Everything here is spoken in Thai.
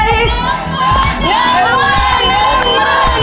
ไม่ออกไปลูก